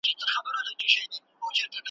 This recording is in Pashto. نه پنځه یو نه پنځه زره کلن یو ,